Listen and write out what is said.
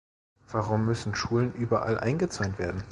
Warum müssen Schulen überall eingezäunt werden?